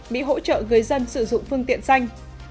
mỹ hỗ trợ người dân sử dụng phương tiện xanh